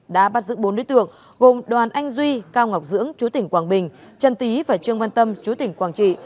đã bắt giữ bốn đối tượng gồm đoàn anh duy cao ngọc dưỡng chú tỉnh quảng bình trần tý và trương văn tâm chú tỉnh quảng trị